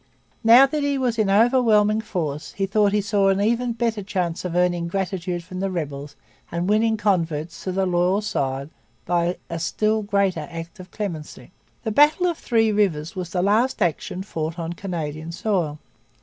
Now that he was in overwhelming force he thought he saw an even better chance of earning gratitude from rebels and winning converts to the loyal side by a still greater act of clemency. The battle of Three Rivers was the last action fought on Canadian soil.